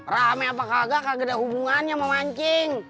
ramai apa kagak kagak ada hubungannya sama mancing